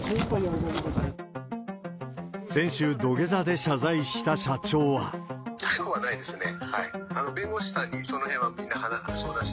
先週、土下座で謝罪した社長逮捕はないですね。